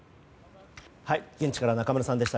現地から中丸さんでした。